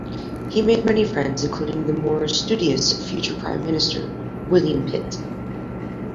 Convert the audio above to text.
He made many friends including the more studious future Prime Minister William Pitt.